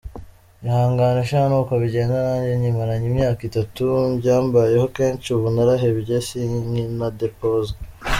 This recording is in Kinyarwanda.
ihangane sha nuko bigenda nanjye nyimaranye imyaka itatu, byambayeho kenshi ubu narahebye sinkinadeposa.